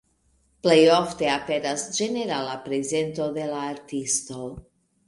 Plej ofte aperas ĝenerala prezento de la artisto.